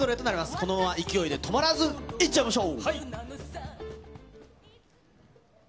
このまま勢いで止まらずいっちゃいましょう。